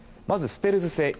まず、ステルス性。